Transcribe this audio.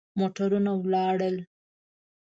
موټرونه ولاړ ول.